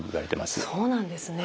そうなんですね。